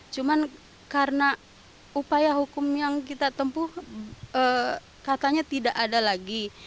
cuma karena upaya hukum yang kita tempuh katanya tidak ada lagi